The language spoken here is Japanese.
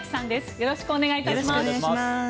よろしくお願いします。